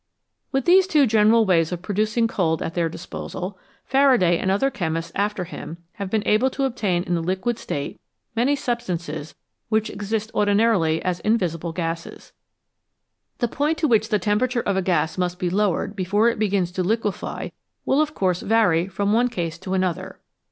With these two general ways, of producing cold at their disposal, Faraday and other chemists after him have been able to obtain in the liquid state many substances which exist ordinarily as invisible gases. The point to which the temperature of a gas must be lowered before it begins to liquefy will, of course, vary from one case to another.